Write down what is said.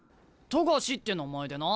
冨樫って名前でな